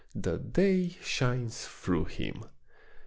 The day shines through him.